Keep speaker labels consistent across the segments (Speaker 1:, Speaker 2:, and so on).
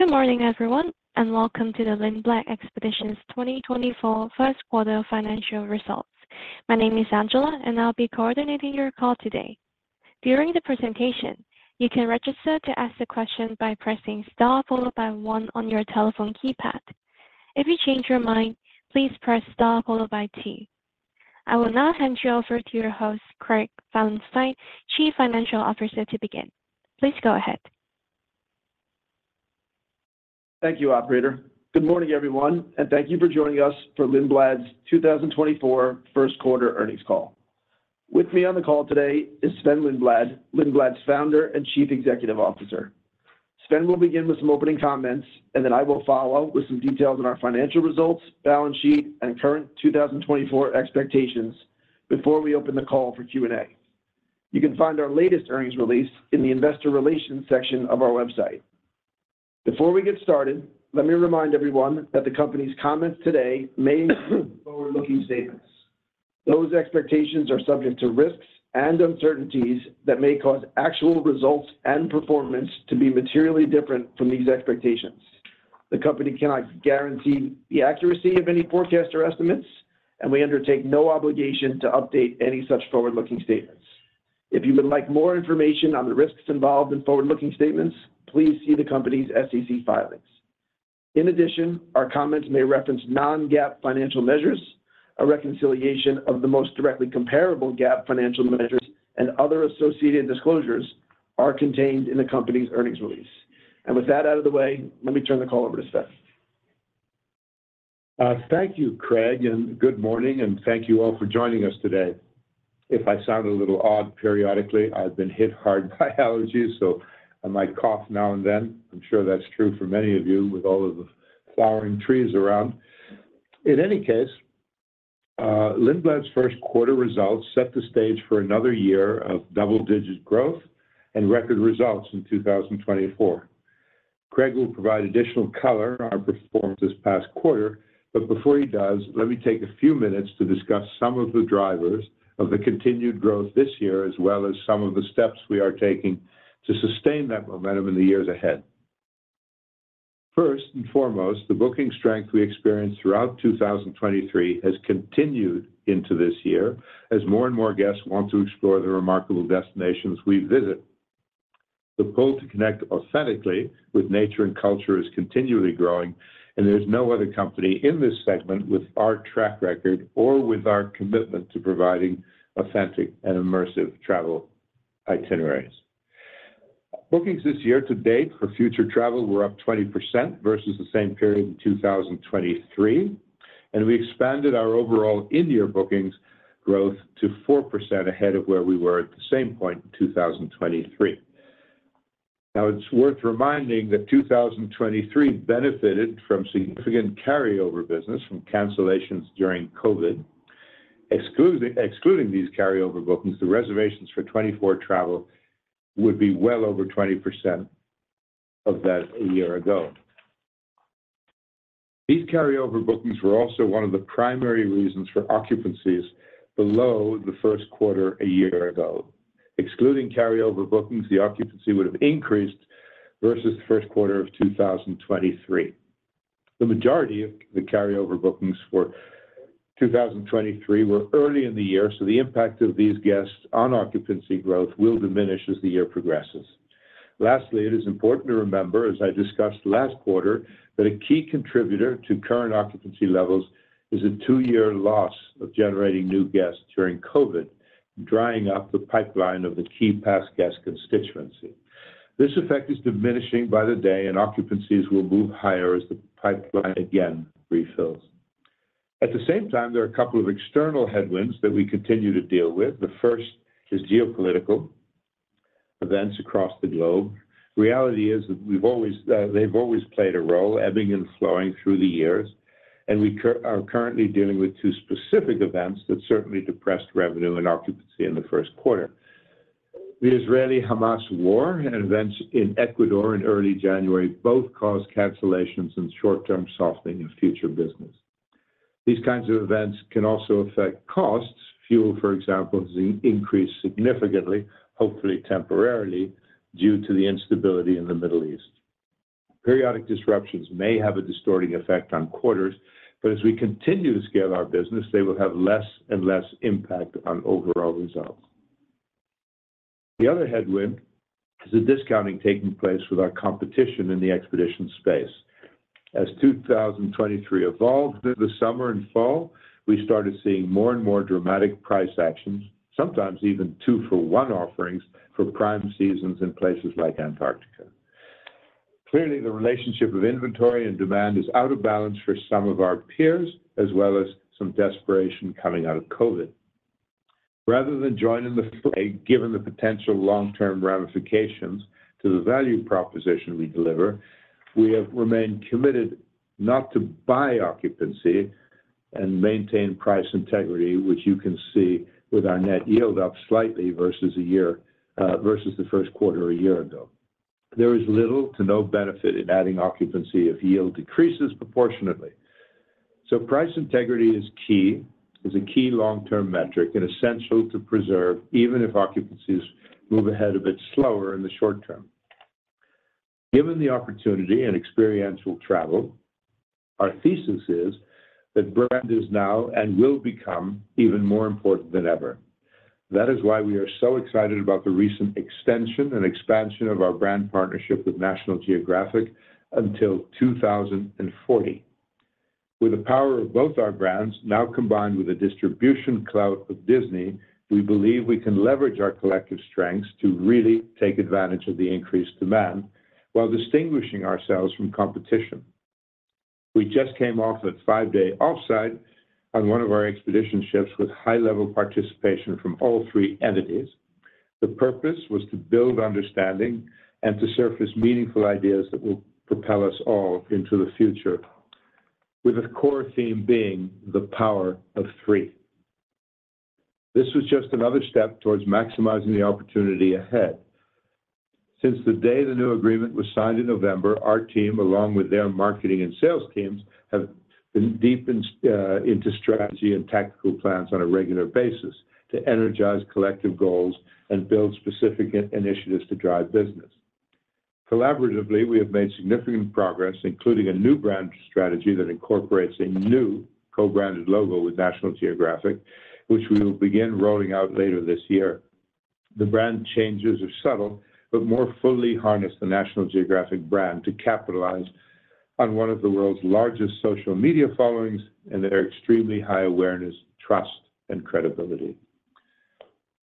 Speaker 1: Good morning, everyone, and welcome to The Lindblad Expeditions' 2024 First Quarter Financial Results. My name is Angela, and I'll be coordinating your call today. During the presentation, you can register to ask the question by pressing star followed by one on your telephone keypad. If you change your mind, please press star followed by two. I will now hand you over to your host, Craig Felenstein, Chief Financial Officer, to begin. Please go ahead.
Speaker 2: Thank you, operator. Good morning, everyone, and thank you for joining us for Lindblad's 2024 first quarter earnings call. With me on the call today is Sven Lindblad, Lindblad's founder, and Chief Executive Officer. Sven will begin with some opening comments, and then I will follow up with some details on our financial results, balance sheet, and current 2024 expectations before we open the call for Q&A. You can find our latest earnings release in the investor relations section of our website. Before we get started, let me remind everyone that the company's comments today may include forward-looking statements. Those expectations are subject to risks and uncertainties that may cause actual results and performance to be materially different from these expectations. The company cannot guarantee the accuracy of any forecast or estimates, and we undertake no obligation to update any such forward-looking statements. If you would like more information on the risks involved in forward-looking statements, please see the company's SEC filings. In addition, our comments may reference non-GAAP financial measures. A reconciliation of the most directly comparable GAAP financial measures and other associated disclosures are contained in the company's earnings release. With that out of the way, let me turn the call over to Sven.
Speaker 3: Thank you, Craig, and good morning, and thank you all for joining us today. If I sound a little odd periodically, I've been hit hard by allergies, so I might cough now and then. I'm sure that's true for many of you with all of the flowering trees around. In any case, Lindblad's first quarter results set the stage for another year of double-digit growth and record results in 2024. Craig will provide additional color on our performance this past quarter, but before he does, let me take a few minutes to discuss some of the drivers of the continued growth this year, as well as some of the steps we are taking to sustain that momentum in the years ahead. First and foremost, the booking strength we experienced throughout 2023 has continued into this year as more and more guests want to explore the remarkable destinations we visit. The pull to connect authentically with nature and culture is continually growing, and there's no other company in this segment with our track record or with our commitment to providing authentic and immersive travel itineraries. Bookings this year to date for future travel were up 20% versus the same period in 2023, and we expanded our overall India bookings growth to 4% ahead of where we were at the same point in 2023. Now, it's worth reminding that 2023 benefited from significant carryover business from cancellations during COVID. Excluding these carryover bookings, the reservations for 2024 travel would be well over 20% of that a year ago. These carryover bookings were also one of the primary reasons for occupancies below the first quarter a year ago. Excluding carryover bookings, the occupancy would have increased versus the first quarter of 2023. The majority of the carryover bookings for 2023 were early in the year, so the impact of these guests on occupancy growth will diminish as the year progresses. Lastly, it is important to remember, as I discussed last quarter, that a key contributor to current occupancy levels is a two-year loss of generating new guests during COVID, drying up the pipeline of the key past guest constituency. This effect is diminishing by the day, and occupancies will move higher as the pipeline again refills. At the same time, there are a couple of external headwinds that we continue to deal with. The first is geopolitical events across the globe. Reality is that they've always played a role, ebbing and flowing through the years, and we are currently dealing with two specific events that certainly depressed revenue and occupancy in the first quarter. The Israeli-Hamas war and events in Ecuador in early January both caused cancellations and short-term softening of future business. These kinds of events can also affect costs. Fuel, for example, has increased significantly, hopefully temporarily, due to the instability in the Middle East. Periodic disruptions may have a distorting effect on quarters, but as we continue to scale our business, they will have less and less impact on overall results. The other headwind is the discounting taking place with our competition in the expedition space. As 2023 evolved through the summer and fall, we started seeing more and more dramatic price actions, sometimes even two-for-one offerings for prime seasons in places like Antarctica. Clearly, the relationship of inventory and demand is out of balance for some of our peers, as well as some desperation coming out of COVID. Rather than joining the fray, given the potential long-term ramifications to the value proposition we deliver, we have remained committed not to buy occupancy and maintain price integrity, which you can see with our net yield up slightly versus a year, versus the first quarter a year ago. There is little to no benefit in adding occupancy if yield decreases proportionately.... So price integrity is key, is a key long-term metric and essential to preserve, even if occupancies move ahead a bit slower in the short term. Given the opportunity and experiential travel, our thesis is that brand is now and will become even more important than ever. That is why we are so excited about the recent extension and expansion of our brand partnership with National Geographic until 2040. With the power of both our brands, now combined with the distribution clout of Disney, we believe we can leverage our collective strengths to really take advantage of the increased demand while distinguishing ourselves from competition. We just came off a 5-day offsite on one of our expedition ships, with high-level participation from all three entities. The purpose was to build understanding and to surface meaningful ideas that will propel us all into the future, with the core theme being the power of three. This was just another step towards maximizing the opportunity ahead. Since the day the new agreement was signed in November, our team, along with their marketing and sales teams, have been deep into strategy and tactical plans on a regular basis to energize collective goals and build specific initiatives to drive business. Collaboratively, we have made significant progress, including a new brand strategy that incorporates a new co-branded logo with National Geographic, which we will begin rolling out later this year. The brand changes are subtle, but more fully harness the National Geographic brand to capitalize on one of the world's largest social media followings and their extremely high awareness, trust, and credibility.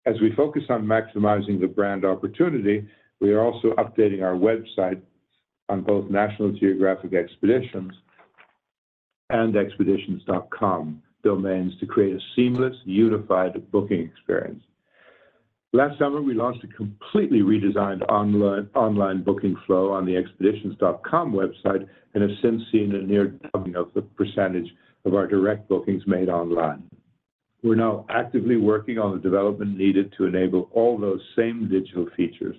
Speaker 3: As we focus on maximizing the brand opportunity, we are also updating our website on both National Geographic Expeditions and expeditions.com domains to create a seamless, unified booking experience. Last summer, we launched a completely redesigned online booking flow on the expeditions.com website and have since seen a near doubling of the percentage of our direct bookings made online. We're now actively working on the development needed to enable all those same digital features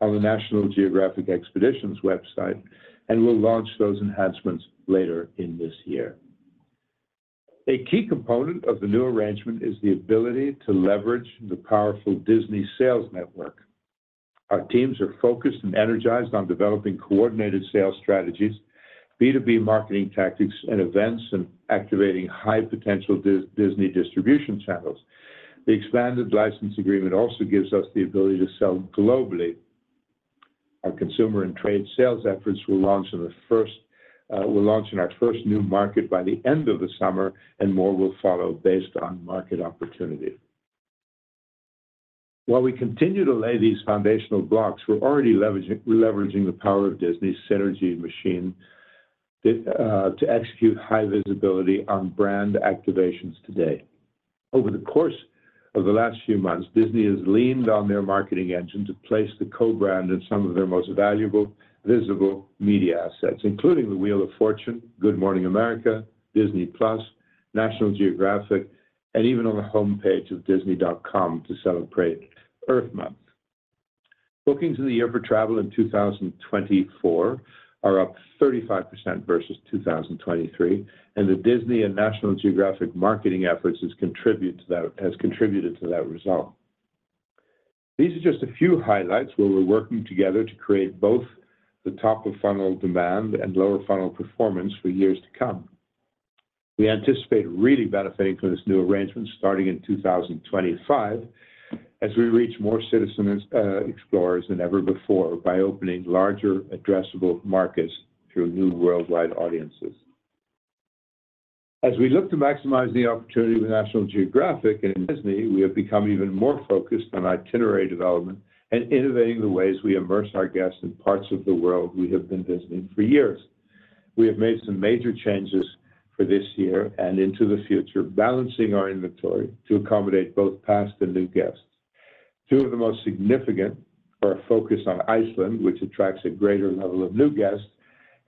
Speaker 3: on the National Geographic Expeditions website, and we'll launch those enhancements later in this year. A key component of the new arrangement is the ability to leverage the powerful Disney sales network. Our teams are focused and energized on developing coordinated sales strategies, B2B marketing tactics and events, and activating high-potential Disney distribution channels. The expanded license agreement also gives us the ability to sell globally. Our consumer and trade sales efforts will launch in our first new market by the end of the summer, and more will follow based on market opportunity. While we continue to lay these foundational blocks, we're already leveraging the power of Disney's synergy machine to execute high visibility on brand activations today. Over the course of the last few months, Disney has leaned on their marketing engine to place the co-brand in some of their most valuable, visible media assets, including the Wheel of Fortune, Good Morning America, Disney+, National Geographic, and even on the homepage of disney.com to celebrate Earth Month. Bookings in the year for travel in 2024 are up 35% versus 2023, and the Disney and National Geographic marketing efforts has contribute to that, has contributed to that result. These are just a few highlights where we're working together to create both the top-of-funnel demand and lower-funnel performance for years to come. We anticipate really benefiting from this new arrangement starting in 2025, as we reach more citizen explorers than ever before by opening larger addressable markets through new worldwide audiences. As we look to maximize the opportunity with National Geographic and Disney, we have become even more focused on itinerary development and innovating the ways we immerse our guests in parts of the world we have been visiting for years. We have made some major changes for this year and into the future, balancing our inventory to accommodate both past and new guests. Two of the most significant are our focus on Iceland, which attracts a greater level of new guests,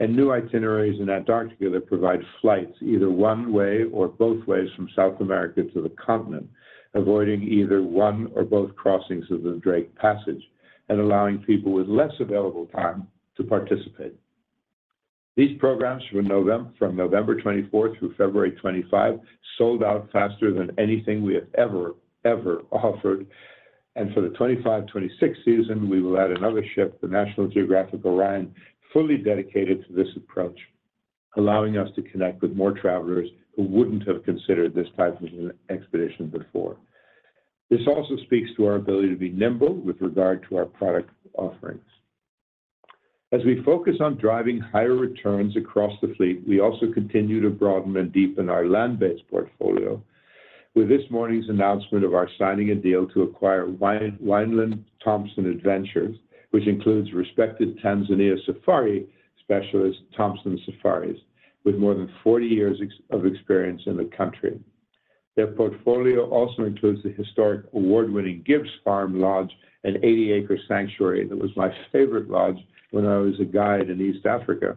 Speaker 3: and new itineraries in Antarctica that provide flights either one way or both ways from South America to the continent, avoiding either one or both crossings of the Drake Passage and allowing people with less available time to participate. These programs from November, from November 24th through February 2025, sold out faster than anything we have ever, ever offered. For the 2025-2026 season, we will add another ship, the National Geographic Orion, fully dedicated to this approach, allowing us to connect with more travelers who wouldn't have considered this type of an expedition before. This also speaks to our ability to be nimble with regard to our product offerings. As we focus on driving higher returns across the fleet, we also continue to broaden and deepen our land-based portfolio. With this morning's announcement of our signing a deal to acquire Wineland-Thomson Adventures, which includes respected Tanzania safari specialist, Thomson Safaris, with more than 40 years of experience in the country. Their portfolio also includes the historic award-winning Gibb's Farm, an 80-acre sanctuary, that was my favorite lodge when I was a guide in East Africa.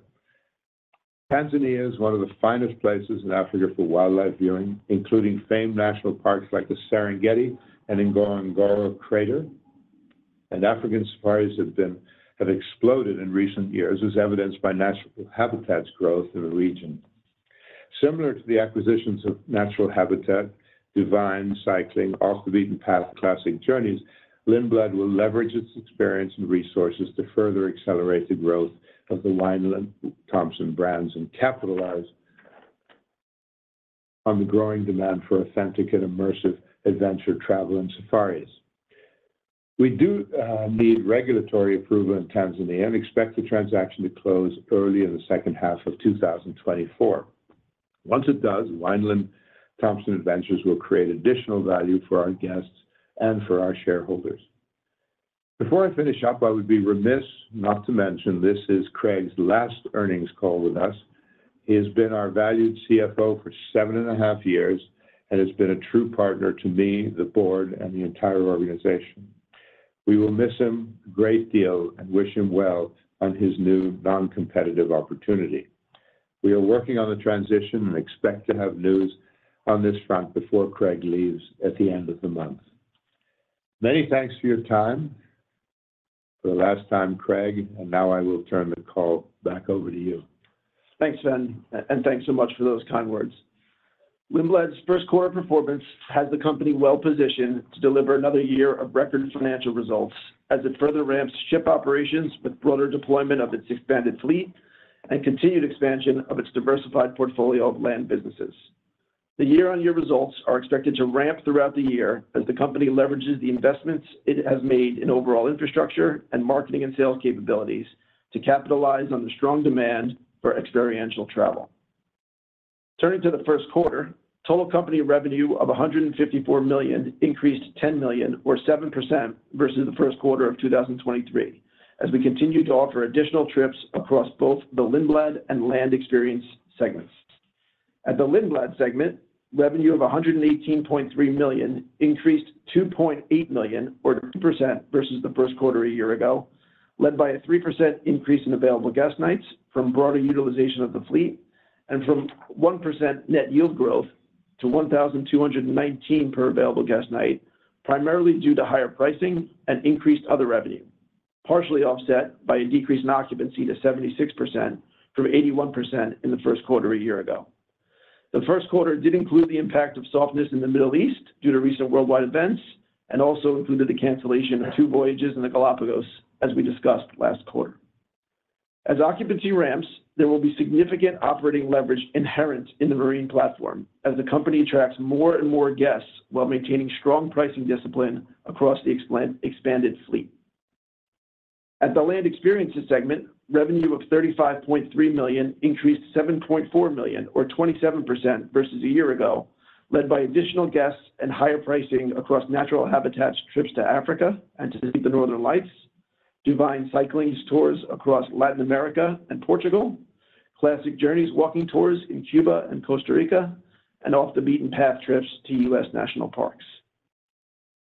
Speaker 3: Tanzania is one of the finest places in Africa for wildlife viewing, including famed national parks like the Serengeti and Ngorongoro Crater... and African safaris have exploded in recent years, as evidenced by Natural Habitat's growth in the region. Similar to the acquisitions of Natural Habitat, DuVine Cycling, Off the Beaten Path, Classic Journeys, Lindblad will leverage its experience and resources to further accelerate the growth of the Wineland-Thomson brands and capitalize on the growing demand for authentic and immersive adventure travel and safaris. We do need regulatory approval in Tanzania and expect the transaction to close early in the second half of 2024. Once it does, Wineland-Thomson Adventures will create additional value for our guests and for our shareholders. Before I finish up, I would be remiss not to mention this is Craig's last earnings call with us. He has been our valued CFO for seven and a half years, and has been a true partner to me, the board, and the entire organization. We will miss him a great deal and wish him well on his new non-competitive opportunity. We are working on the transition and expect to have news on this front before Craig leaves at the end of the month. Many thanks for your time. For the last time, Craig, and now I will turn the call back over to you.
Speaker 2: Thanks, Sven, and thanks so much for those kind words. Lindblad's first quarter performance has the company well-positioned to deliver another year of record financial results as it further ramps ship operations with broader deployment of its expanded fleet and continued expansion of its diversified portfolio of land businesses. The year-on-year results are expected to ramp throughout the year as the company leverages the investments it has made in overall infrastructure and marketing and sales capabilities to capitalize on the strong demand for experiential travel. Turning to the first quarter, total company revenue of $154 million increased $10 million or 7% versus the first quarter of 2023, as we continue to offer additional trips across both the Lindblad and Land Experience segments. At the Lindblad segment, revenue of $118.3 million increased $2.8 million or 2% versus the first quarter a year ago, led by a 3% increase in available guest nights from broader utilization of the fleet and from 1% net yield growth to $1,219 per available guest night, primarily due to higher pricing and increased other revenue, partially offset by a decrease in occupancy to 76% from 81% in the first quarter a year ago. The first quarter did include the impact of softness in the Middle East due to recent worldwide events, and also included the cancellation of two voyages in the Galápagos, as we discussed last quarter. As occupancy ramps, there will be significant operating leverage inherent in the marine platform as the company attracts more and more guests while maintaining strong pricing discipline across the expanded fleet. At the Land Experiences segment, revenue of $35.3 million increased $7.4 million or 27% versus a year ago, led by additional guests and higher pricing across Natural Habitat's trips to Africa and to see the Northern Lights, DuVine Cycling's tours across Latin America and Portugal, Classic Journeys walking tours in Cuba and Costa Rica, and Off the Beaten Path trips to U.S. national parks.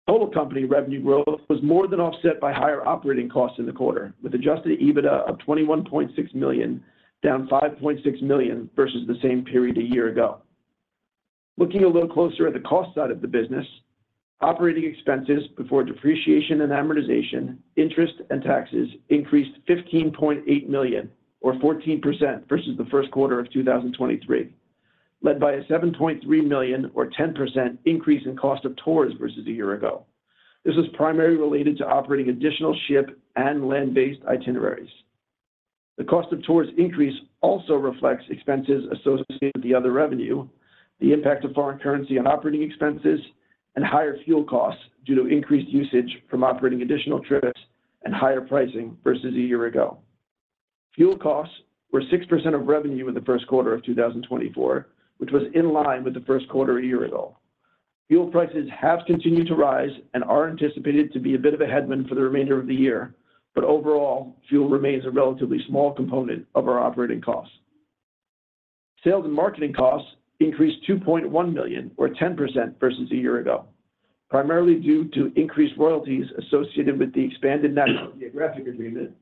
Speaker 2: Total company revenue growth was more than offset by higher operating costs in the quarter, with Adjusted EBITDA of $21.6 million, down $5.6 million versus the same period a year ago. Looking a little closer at the cost side of the business, operating expenses before depreciation and amortization, interest, and taxes increased $15.8 million or 14% versus the first quarter of 2023, led by a $7.3 million or 10% increase in cost of tours versus a year ago. This was primarily related to operating additional ship and land-based itineraries. The cost of tours increase also reflects expenses associated with the other revenue, the impact of foreign currency on operating expenses, and higher fuel costs due to increased usage from operating additional trips and higher pricing versus a year ago. Fuel costs were 6% of revenue in the first quarter of 2024, which was in line with the first quarter a year ago. Fuel prices have continued to rise and are anticipated to be a bit of a headwind for the remainder of the year, but overall, fuel remains a relatively small component of our operating costs. Sales and marketing costs increased $2.1 million or 10% versus a year ago, primarily due to increased royalties associated with the expanded geographic agreement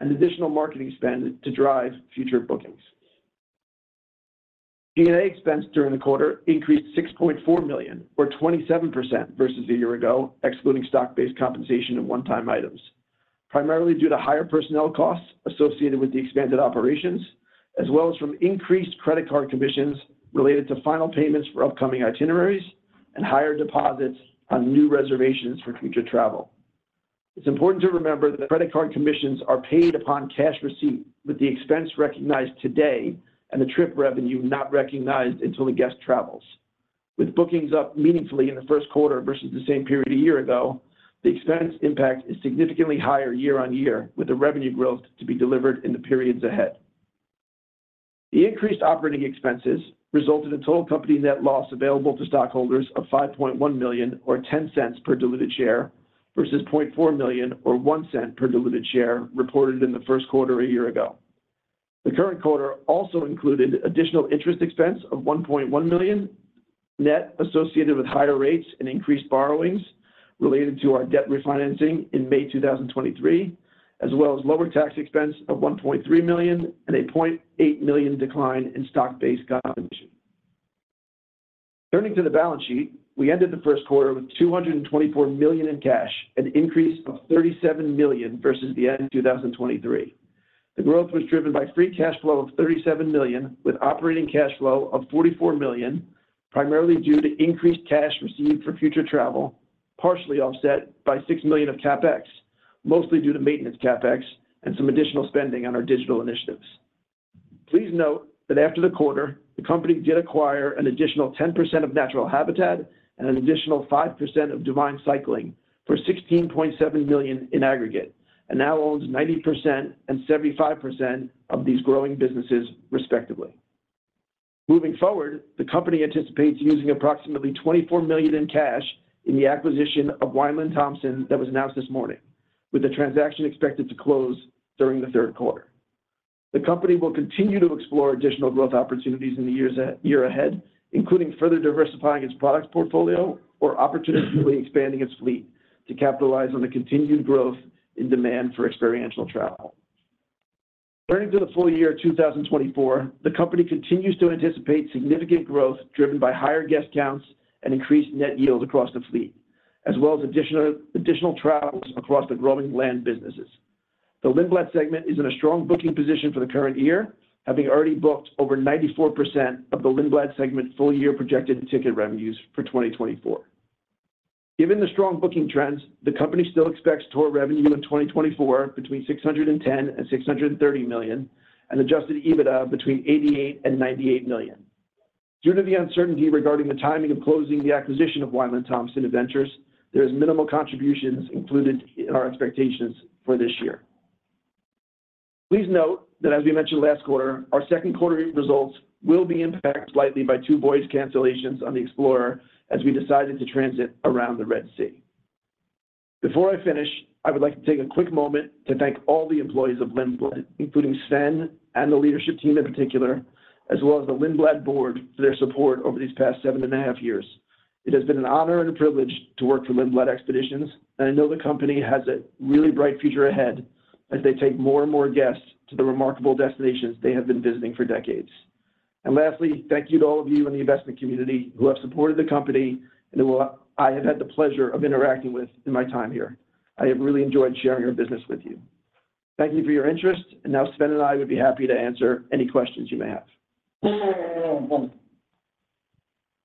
Speaker 2: and additional marketing spend to drive future bookings. G&A expense during the quarter increased $6.4 million or 27% versus a year ago, excluding stock-based compensation and one-time items, primarily due to higher personnel costs associated with the expanded operations, as well as from increased credit card commissions related to final payments for upcoming itineraries and higher deposits on new reservations for future travel. It's important to remember that the credit card commissions are paid upon cash receipt, with the expense recognized today and the trip revenue not recognized until the guest travels. With bookings up meaningfully in the first quarter versus the same period a year ago, the expense impact is significantly higher year-over-year, with the revenue growth to be delivered in the periods ahead. The increased operating expenses resulted in total company net loss available to stockholders of $5.1 million or $0.10 per diluted share versus $400,000 on or $0.01 per diluted share reported in the first quarter a year ago. The current quarter also included additional interest expense of $1.1 million, net associated with higher rates and increased borrowings related to our debt refinancing in May 2023, as well as lower tax expense of $1.3 million and a $800,000 decline in stock-based compensation. Turning to the balance sheet, we ended the first quarter with $224 million in cash, an increase of $37 million versus the end of 2023. The growth was driven by free cash flow of $37 million, with operating cash flow of $44 million, primarily due to increased cash received for future travel, partially offset by $6 million of CapEx, mostly due to maintenance CapEx and some additional spending on our digital initiatives. Please note that after the quarter, the company did acquire an additional 10% of Natural Habitat and an additional 5% of DuVine Cycling for $16.7 million in aggregate, and now owns 90% and 75% of these growing businesses, respectively. Moving forward, the company anticipates using approximately $24 million in cash in the acquisition of Wineland-Thomson that was announced this morning, with the transaction expected to close during the third quarter. The company will continue to explore additional growth opportunities in the year ahead, including further diversifying its products portfolio or opportunistically expanding its fleet to capitalize on the continued growth in demand for experiential travel. Turning to the full year 2024, the company continues to anticipate significant growth, driven by higher guest counts and increased net yields across the fleet, as well as additional travels across the growing land businesses. The Lindblad segment is in a strong booking position for the current year, having already booked over 94% of the Lindblad segment full-year projected ticket revenues for 2024. Given the strong booking trends, the company still expects total revenue in 2024 between $610 million and $630 million, and Adjusted EBITDA between $88 million and $98 million. Due to the uncertainty regarding the timing of closing the acquisition of Wineland-Thomson Adventures, there is minimal contributions included in our expectations for this year. Please note that as we mentioned last quarter, our second quarter results will be impacted slightly by two voyage cancellations on the Explorer as we decided to transit around the Red Sea. Before I finish, I would like to take a quick moment to thank all the employees of Lindblad, including Sven and the leadership team in particular, as well as the Lindblad board, for their support over these past seven and a half years. It has been an honor and a privilege to work for Lindblad Expeditions, and I know the company has a really bright future ahead as they take more and more guests to the remarkable destinations they have been visiting for decades. And lastly, thank you to all of you in the investment community who have supported the company and who I have had the pleasure of interacting with in my time here. I have really enjoyed sharing our business with you. Thank you for your interest, and now Sven and I would be happy to answer any questions you may have.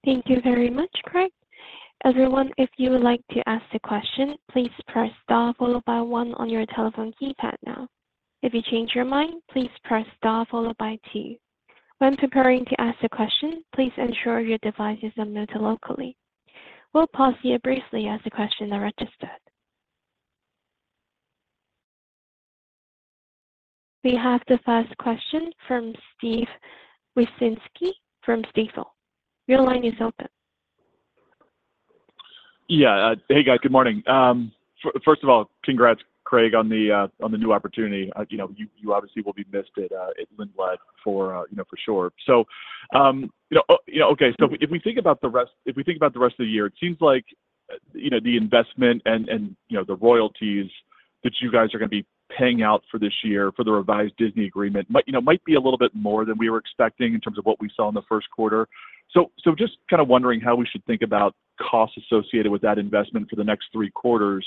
Speaker 1: Thank you very much, Craig. Everyone, if you would like to ask a question, please press star followed by one on your telephone keypad now. If you change your mind, please press star followed by two. When preparing to ask a question, please ensure your device is unmuted locally. We'll pause here briefly as the questions are registered. We have the first question from Steve Wieczynski from Stifel. Your line is open.
Speaker 4: Yeah, hey, guys, good morning. First of all, congrats, Craig, on the new opportunity. You know, you obviously will be missed at Lindblad for sure. So, you know, okay, so if we think about the rest of the year, it seems like, you know, the investment and the royalties that you guys are going to be paying out for this year for the revised Disney agreement, might be a little bit more than we were expecting in terms of what we saw in the first quarter. So, just kind of wondering how we should think about costs associated with that investment for the next three quarters.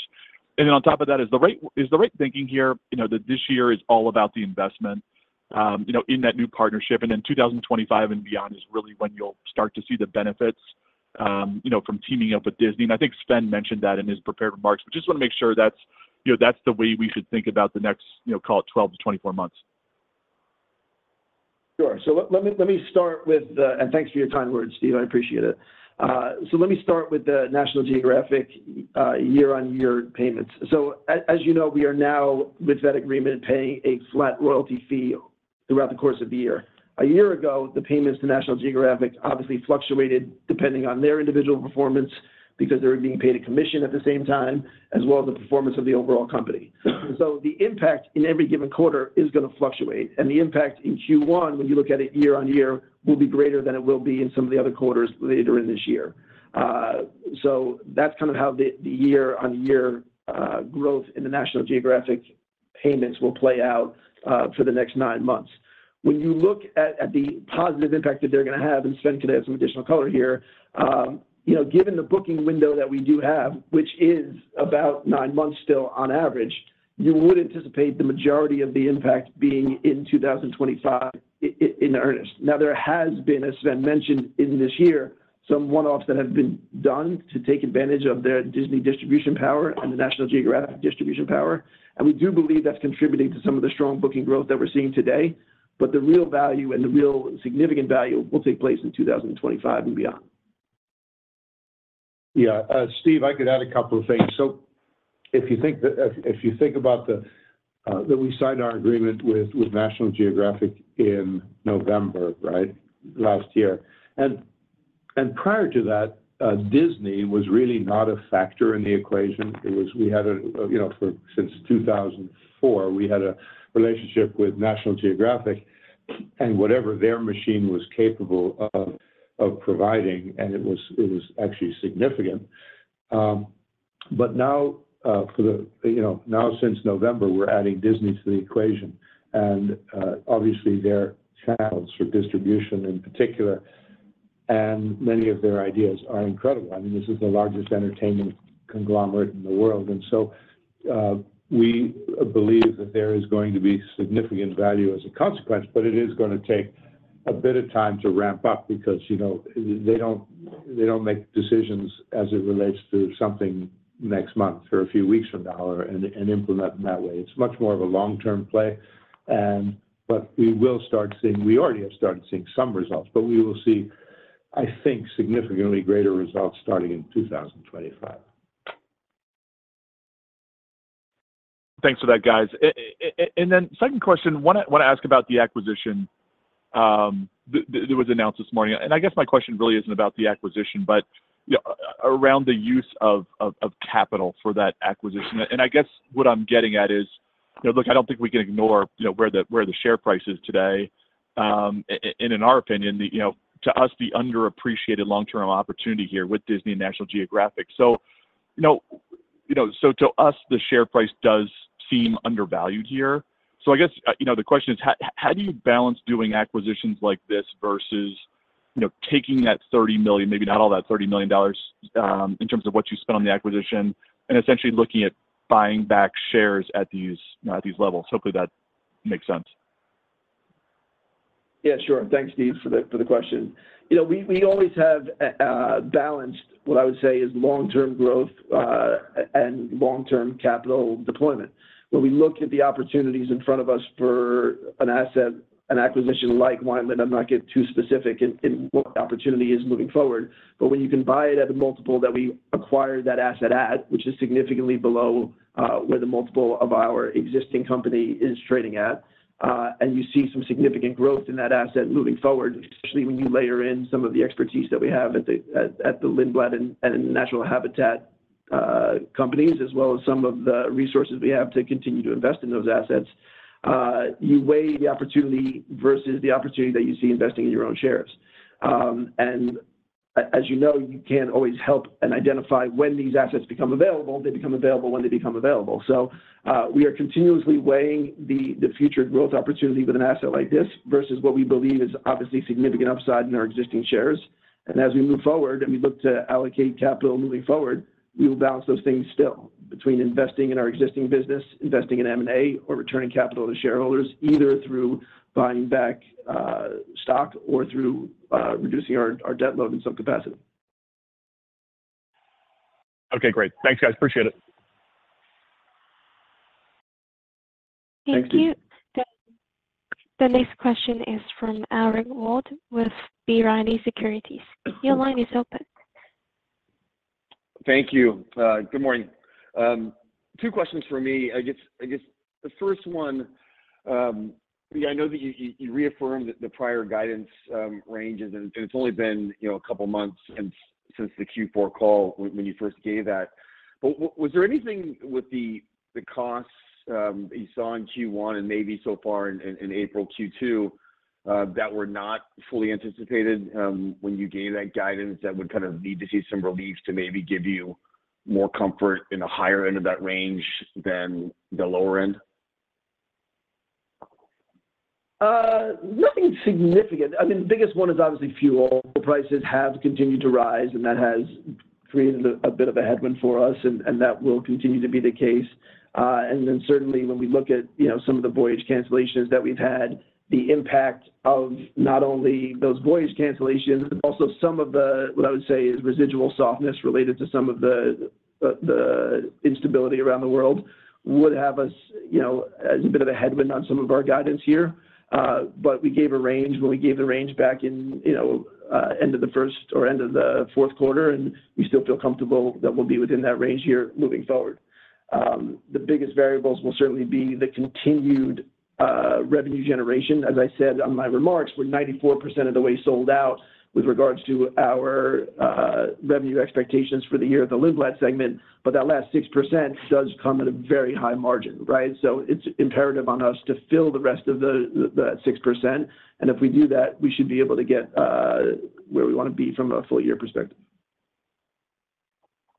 Speaker 4: And then on top of that, is the right thinking here, you know, that this year is all about the investment, you know, in that new partnership, and then 2025 and beyond is really when you'll start to see the benefits, you know, from teaming up with Disney? And I think Sven mentioned that in his prepared remarks, but just want to make sure that's, you know, that's the way we should think about the next, you know, call it 12-24 months.
Speaker 2: Sure. So let me start with the National Geographic year-on-year payments. And thanks for your kind words, Steve. I appreciate it. So as you know, we are now, with that agreement, paying a flat royalty fee throughout the course of the year. A year ago, the payments to National Geographic obviously fluctuated depending on their individual performance because they were being paid a commission at the same time, as well as the performance of the overall company. So the impact in every given quarter is going to fluctuate, and the impact in Q1, when you look at it year-on-year, will be greater than it will be in some of the other quarters later in this year. So that's kind of how the year-on-year growth in the National Geographic payments will play out for the next nine months. When you look at the positive impact that they're going to have, and Sven can add some additional color here, you know, given the booking window that we do have, which is about nine months still on average, you would anticipate the majority of the impact being in 2025 in earnest. Now, there has been, as Sven mentioned, in this year, some one-offs that have been done to take advantage of their Disney distribution power and the National Geographic distribution power, and we do believe that's contributing to some of the strong booking growth that we're seeing today. But the real value and the real significant value will take place in 2025 and beyond.
Speaker 3: Yeah, Steve, I could add a couple of things. So if you think that, if you think about the that we signed our agreement with, with National Geographic in November, right? Last year. And, and prior to that, Disney was really not a factor in the equation. It was, we had a, you know, for since 2004, we had a relationship with National Geographic and whatever their machine was capable of providing, and it was, it was actually significant. But now, for the, you know, now since November, we're adding Disney to the equation, and, obviously, their channels for distribution in particular, and many of their ideas are incredible. I mean, this is the largest entertainment conglomerate in the world. So, we believe that there is going to be significant value as a consequence, but it is gonna take a bit of time to ramp up because, you know, they don't, they don't make decisions as it relates to something next month or a few weeks from now and, and implement in that way. It's much more of a long-term play. But we will start seeing-- we already have started seeing some results, but we will see, I think, significantly greater results starting in 2025.
Speaker 4: Thanks for that, guys. And then second question, wanna ask about the acquisition that was announced this morning. And I guess my question really isn't about the acquisition, but yeah, around the use of capital for that acquisition. And I guess what I'm getting at is, you know, look, I don't think we can ignore, you know, where the share price is today. And in our opinion, you know, to us, the underappreciated long-term opportunity here with Disney and National Geographic. So, you know, so to us, the share price does seem undervalued here. I guess, you know, the question is: How, how do you balance doing acquisitions like this versus, you know, taking that $30 million, maybe not all that $30 million dollars, in terms of what you spent on the acquisition and essentially looking at buying back shares at these, at these levels? Hopefully, that makes sense.
Speaker 2: Yeah, sure. Thanks, Steve, for the question. You know, we always have balanced what I would say is long-term growth and long-term capital deployment. When we look at the opportunities in front of us for an asset, an acquisition like Lindblad, I'm not getting too specific in what the opportunity is moving forward. But when you can buy it at a multiple that we acquired that asset at, which is significantly below where the multiple of our existing company is trading at, and you see some significant growth in that asset moving forward, especially when you layer in some of the expertise that we have at the Lindblad and Natural Habitat companies, as well as some of the resources we have to continue to invest in those assets, you weigh the opportunity versus the opportunity that you see investing in your own shares. And as you know, you can't always help and identify when these assets become available. They become available when they become available. So, we are continuously weighing the future growth opportunity with an asset like this versus what we believe is obviously significant upside in our existing shares. As we move forward, and we look to allocate capital moving forward, we will balance those things still between investing in our existing business, investing in M&A, or returning capital to shareholders, either through buying back stock or through reducing our debt load in some capacity.
Speaker 4: Okay, great. Thanks, guys. Appreciate it.
Speaker 1: Thank you. The next question is from Aaron Ward with B. Riley Securities. Your line is open.
Speaker 5: Thank you. Good morning. Two questions for me. I guess, I guess the first one, I know that you reaffirmed the prior guidance ranges, and it's only been, you know, a couple of months since the Q4 call when you first gave that. But was there anything with the costs you saw in Q1 and maybe so far in April, Q2, that were not fully anticipated when you gave that guidance, that would kind of need to see some relief to maybe give you more comfort in the higher end of that range than the lower end?
Speaker 2: Nothing significant. I mean, the biggest one is obviously fuel. The prices have continued to rise, and that has created a bit of a headwind for us, and that will continue to be the case. And then certainly, when we look at, you know, some of the voyage cancellations that we've had, the impact of not only those voyage cancellations, but also some of the, what I would say, is residual softness related to some of the instability around the world, would have us, you know, as a bit of a headwind on some of our guidance here. But we gave a range when we gave the range back in, you know, end of the first or end of the fourth quarter, and we still feel comfortable that we'll be within that range here moving forward. The biggest variables will certainly be the continued revenue generation. As I said on my remarks, we're 94% of the way sold out with regards to our revenue expectations for the year at the Lindblad segment, but that last 6% does come at a very high margin, right? So it's imperative on us to fill the rest of that 6%. And if we do that, we should be able to get where we want to be from a full year perspective.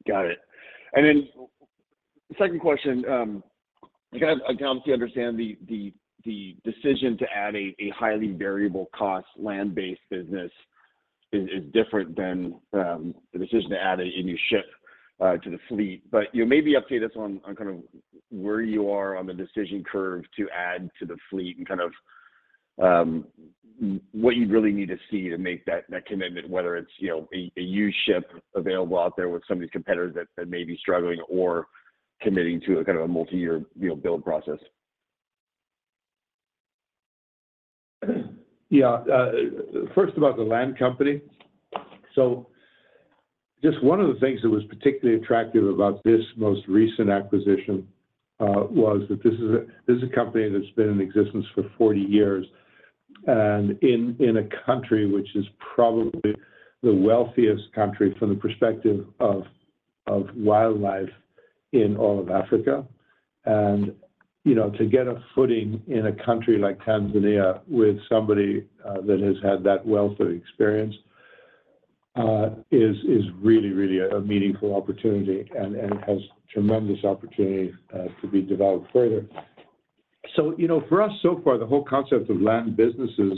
Speaker 5: Got it. And then second question, I kind of come to understand the decision to add a highly variable cost land-based business is different than the decision to add a new ship to the fleet. But you know, maybe update us on kind of where you are on the decision curve to add to the fleet and kind of what you really need to see to make that commitment, whether it's you know, a used ship available out there with some of these competitors that may be struggling or committing to a kind of a multi-year you know, build process.
Speaker 3: Yeah, first about the land company. So just one of the things that was particularly attractive about this most recent acquisition was that this is a company that's been in existence for 40 years, and in a country which is probably the wealthiest country from the perspective of wildlife in all of Africa... and, you know, to get a footing in a country like Tanzania with somebody that has had that wealth of experience is really, really a meaningful opportunity and has tremendous opportunity to be developed further. So, you know, for us so far, the whole concept of land businesses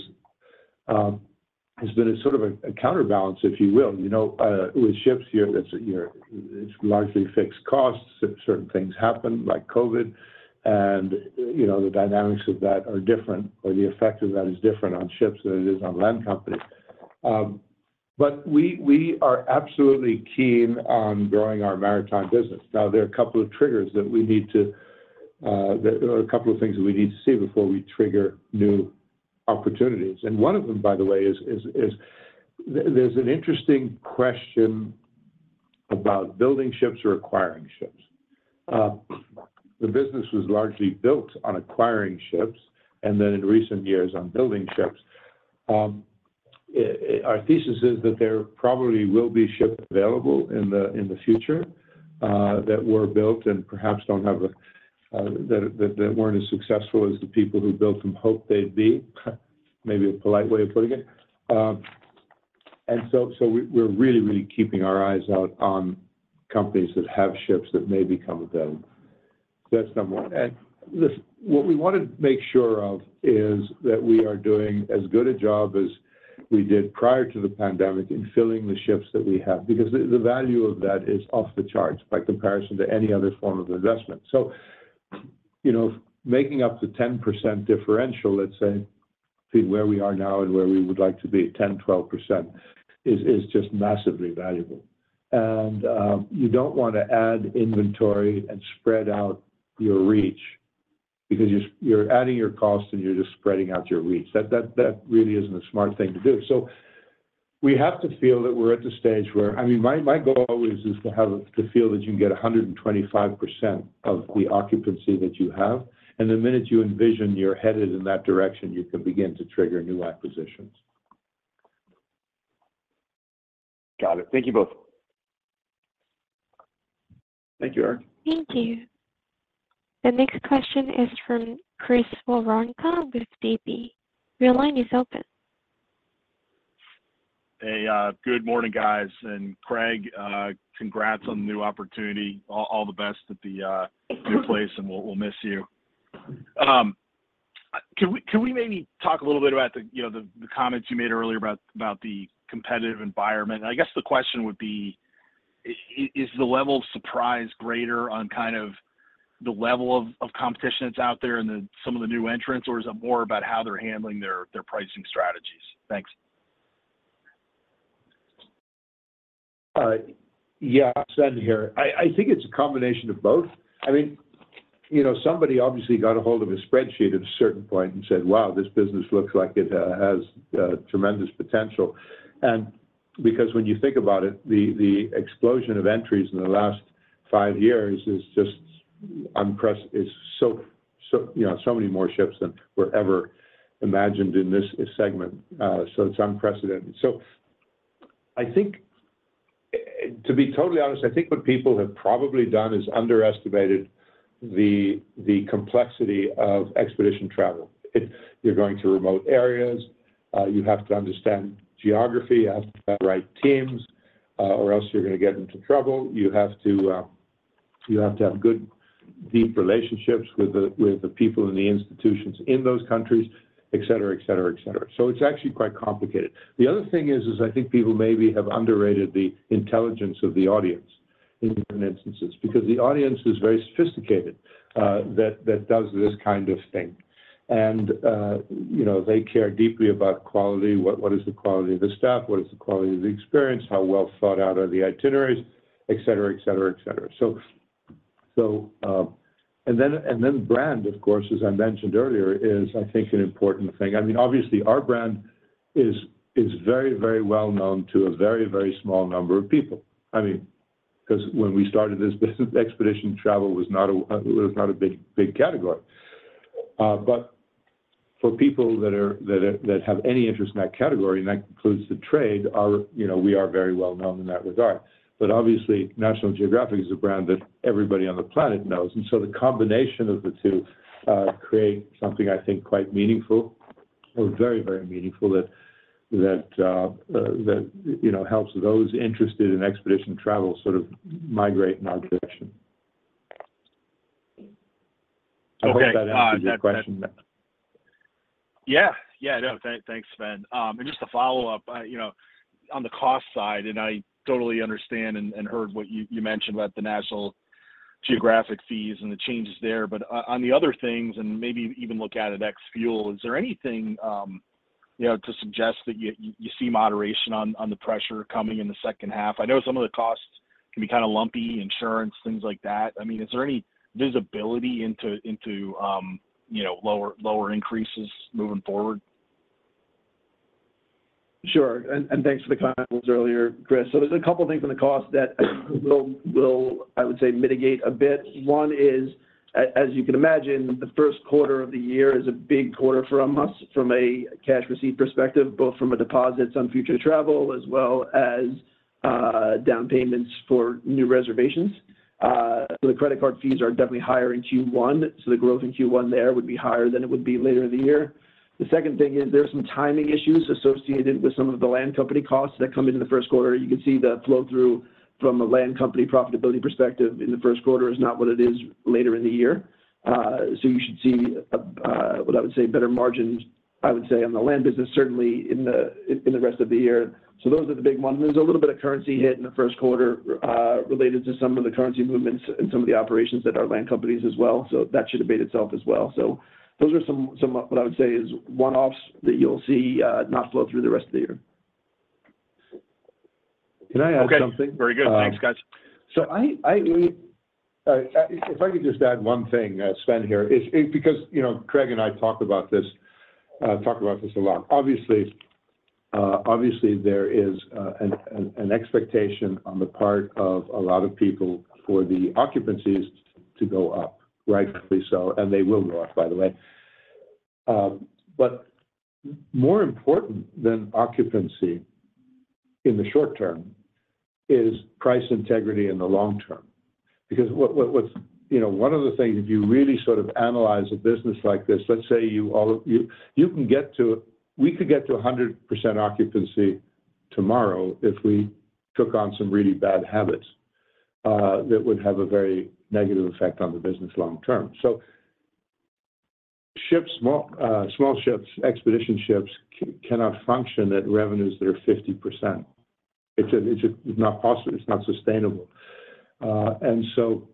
Speaker 3: has been a sort of a counterbalance, if you will. You know, with ships, it is largely fixed costs. If certain things happen, like COVID, and, you know, the dynamics of that are different or the effect of that is different on ships than it is on land companies. But we are absolutely keen on growing our maritime business. Now, there are a couple of things that we need to see before we trigger new opportunities. And one of them, by the way, is there's an interesting question about building ships or acquiring ships. The business was largely built on acquiring ships, and then in recent years, on building ships. Our thesis is that there probably will be ships available in the future that were built and perhaps don't have a that weren't as successful as the people who built them hoped they'd be, maybe a polite way of putting it. And so we're really keeping our eyes out on companies that have ships that may become available. That's number one. And listen, what we want to make sure of is that we are doing as good a job as we did prior to the pandemic in filling the ships that we have, because the value of that is off the charts by comparison to any other form of investment. So, you know, making up the 10% differential, let's say, between where we are now and where we would like to be, 10%-12%, is just massively valuable. And you don't want to add inventory and spread out your reach because you're adding your cost and you're just spreading out your reach. That really isn't a smart thing to do. So we have to feel that we're at the stage where, I mean, my goal always is to have, to feel that you can get 125% of the occupancy that you have, and the minute you envision you're headed in that direction, you can begin to trigger new acquisitions.
Speaker 5: Got it. Thank you both.
Speaker 3: Thank you, Aaron.
Speaker 1: Thank you. The next question is from Chris Woronka with DB. Your line is open.
Speaker 6: Hey, good morning, guys. And Craig, congrats on the new opportunity. All the best at the new place, and we'll miss you. Can we maybe talk a little bit about the, you know, the comments you made earlier about the competitive environment? I guess the question would be: Is the level of surprise greater on kind of the level of competition that's out there and some of the new entrants, or is it more about how they're handling their pricing strategies? Thanks.
Speaker 3: Yeah, Sven here. I think it's a combination of both. I mean, you know, somebody obviously got a hold of a spreadsheet at a certain point and said, "Wow, this business looks like it has tremendous potential." And because when you think about it, the explosion of entries in the last five years is just so, you know, so many more ships than were ever imagined in this segment. So it's unprecedented. So I think, to be totally honest, I think what people have probably done is underestimated the complexity of expedition travel. You're going to remote areas, you have to understand geography, you have to have the right teams, or else you're gonna get into trouble. You have to, you have to have good, deep relationships with the people in the institutions in those countries, et cetera, et cetera, et cetera. So it's actually quite complicated. The other thing is I think people maybe have underrated the intelligence of the audience in different instances, because the audience is very sophisticated, that does this kind of thing. And, you know, they care deeply about quality. What is the quality of the staff? What is the quality of the experience? How well thought out are the itineraries? Et cetera, et cetera, et cetera. So, so... And then brand, of course, as I mentioned earlier, is, I think, an important thing. I mean, obviously, our brand is very, very well known to a very, very small number of people. I mean, 'cause when we started this business, expedition travel was not a, was not a big, big category. But for people that are, that have any interest in that category, and that includes the trade, you know, we are very well known in that regard. But obviously, National Geographic is a brand that everybody on the planet knows, and so the combination of the two, create something I think quite meaningful or very, very meaningful that, that, you know, helps those interested in expedition travel sort of migrate in our direction.
Speaker 6: Okay, uh-
Speaker 3: I hope that answers your question.
Speaker 6: Yeah. Yeah, no, thanks, Sven. And just to follow up, you know, on the cost side, and I totally understand and, and heard what you, you mentioned about the National Geographic fees and the changes there, but on the other things, and maybe even look out at ex fuel, is there anything, you know, to suggest that you, you see moderation on, on the pressure coming in the second half? I know some of the costs can be kind of lumpy, insurance, things like that. I mean, is there any visibility into, into, you know, lower, lower increases moving forward?
Speaker 2: Sure. And thanks for the comments earlier, Chris. So there's a couple of things in the cost that will, I would say, mitigate a bit. One is, as you can imagine, the first quarter of the year is a big quarter for us from a cash receipt perspective, both from deposits on future travel as well as down payments for new reservations. The credit card fees are definitely higher in Q1, so the growth in Q1 there would be higher than it would be later in the year. The second thing is there's some timing issues associated with some of the land company costs that come into the first quarter. You can see the flow-through from a land company profitability perspective in the first quarter is not what it is later in the year. So you should see what I would say, better margins, I would say, on the land business, certainly in the rest of the year. So those are the big ones. There's a little bit of currency hit in the first quarter, related to some of the currency movements in some of the operations at our land companies as well, so that should abate itself as well. So those are some what I would say is one-offs that you'll see not flow through the rest of the year.
Speaker 3: Can I add something?
Speaker 7: Okay. Very good. Thanks, guys.
Speaker 3: So, if I could just add one thing, Sven, here is because, you know, Craig and I talked about this, talked about this a lot. Obviously, obviously, there is an expectation on the part of a lot of people for the occupancies to go up, rightfully so, and they will go up, by the way. But more important than occupancy in the short term is price integrity in the long term. Because what's... You know, one of the things, if you really sort of analyze a business like this, let's say we could get to 100% occupancy tomorrow if we took on some really bad habits, that would have a very negative effect on the business long term. So ships, small, small ships, expedition ships, cannot function at revenues that are 50%. It's, it's not possible. It's not sustainable. And so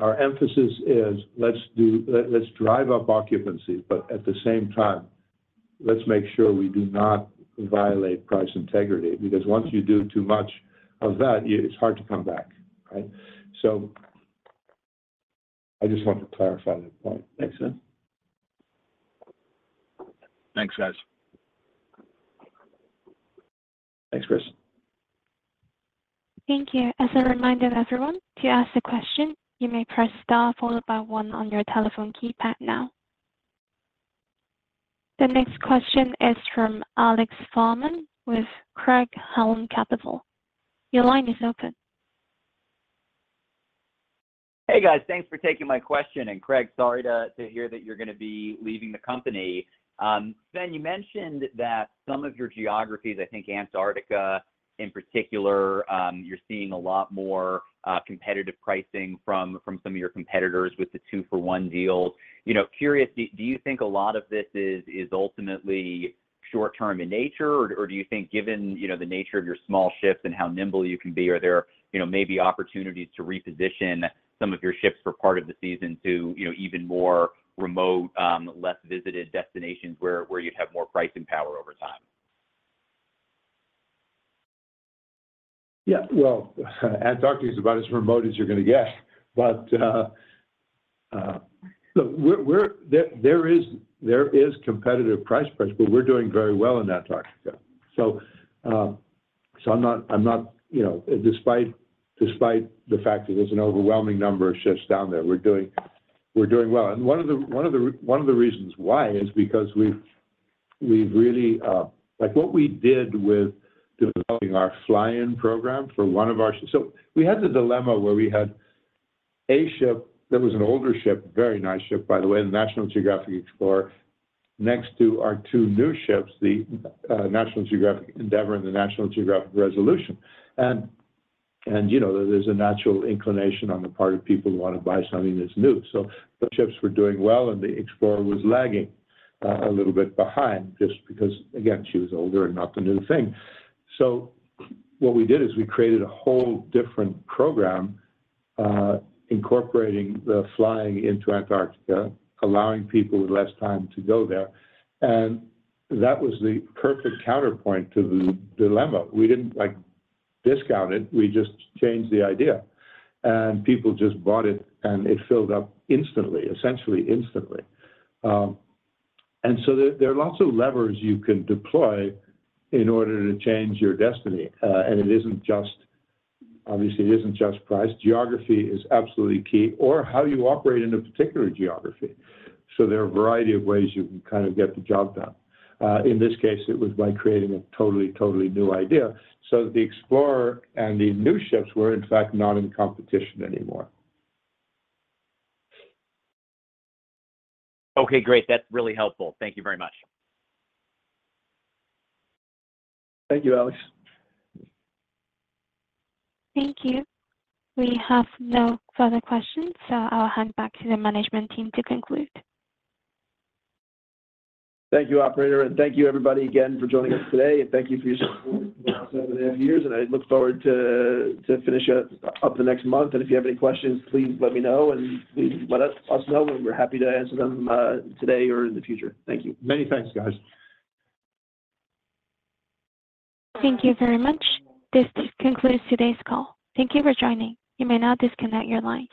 Speaker 3: our emphasis is let's drive up occupancy, but at the same time, let's make sure we do not violate price integrity, because once you do too much of that, it's hard to come back, right? So I just want to clarify that point.
Speaker 6: Thanks, Sven.
Speaker 3: Thanks, Chris.
Speaker 1: Thank you. As a reminder to everyone, to ask a question, you may press star followed by one on your telephone keypad now. The next question is from Alex Fuhrman with Craig-Hallum Capital. Your line is open.
Speaker 8: Hey, guys. Thanks for taking my question. And Craig, sorry to, to hear that you're gonna be leaving the company. Sven, you mentioned that some of your geographies, I think Antarctica in particular, you're seeing a lot more competitive pricing from, from some of your competitors with the two-for-one deals. You know, curious, do, do you think a lot of this is, is ultimately short term in nature, or, or do you think, given, you know, the nature of your small ships and how nimble you can be, are there, you know, maybe opportunities to reposition some of your ships for part of the season to, you know, even more remote, less visited destinations where, where you'd have more pricing power over time?
Speaker 3: Yeah, well, Antarctica is about as remote as you're gonna get. But look, we're... There is competitive price points, but we're doing very well in Antarctica. So I'm not, you know... Despite the fact that there's an overwhelming number of ships down there, we're doing well. And one of the reasons why is because we've really... Like, what we did with developing our fly-in program for one of our ships- So we had the dilemma where we had a ship that was an older ship, very nice ship, by the way, the National Geographic Explorer, next to our two new ships, the National Geographic Endurance and the National Geographic Resolution. you know, there's a natural inclination on the part of people who want to buy something that's new. So the ships were doing well, and the Explorer was lagging a little bit behind, just because, again, she was older and not the new thing. So what we did is we created a whole different program incorporating the flying into Antarctica, allowing people with less time to go there. And that was the perfect counterpoint to the dilemma. We didn't, like, discount it, we just changed the idea, and people just bought it, and it filled up instantly, essentially instantly. and so there are lots of levers you can deploy in order to change your destiny. and it isn't just, obviously, it isn't just price. Geography is absolutely key or how you operate in a particular geography. There are a variety of ways you can kind of get the job done. In this case, it was by creating a totally, totally new idea. The Explorer and the new ships were, in fact, not in competition anymore.
Speaker 8: Okay, great. That's really helpful. Thank you very much.
Speaker 2: Thank you, Alex.
Speaker 1: Thank you. We have no further questions, so I'll hand back to the management team to conclude.
Speaker 2: Thank you, operator, and thank you, everybody, again for joining us today, and thank you for your support over the last seven and a half years. I look forward to finish up the next month. If you have any questions, please let me know, and please let us know, and we're happy to answer them today or in the future. Thank you.
Speaker 3: Many thanks, guys.
Speaker 1: Thank you very much. This concludes today's call. Thank you for joining. You may now disconnect your line.